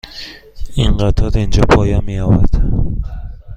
این قطار اینجا پایان می یابد.